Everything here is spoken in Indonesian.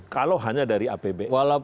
kalau hanya dari apbn